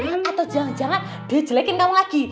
atau jangan jangan dia jelekin kamu lagi